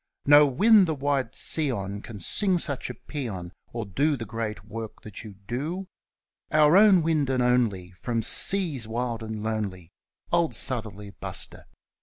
No wind the ivide sea on can sing such a paean, Or do the great work that yon do; Our Own Wind and Only, from seas wild and lonely Old Southerly Buster!